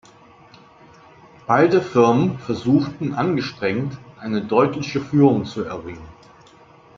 Beide Firmen versuchten angestrengt, eine deutliche Führung zu erringen.